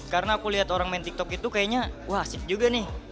karena aku lihat orang main tiktok itu kayaknya wah asik juga nih